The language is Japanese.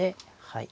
はい。